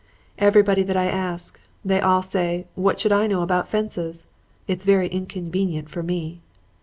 "'Everybody that I ask. They all say, "What should I know about fences?" It's very inconvenient for me.'